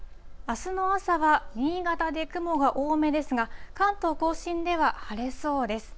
あすの朝は、新潟で雲が多めですが、関東甲信では晴れそうです。